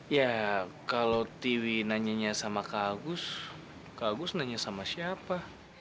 ya kalau tiwi nanyanya sama kak agus kak agus nanya sama siapa